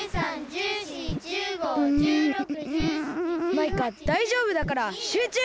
マイカだいじょうぶだからしゅうちゅう！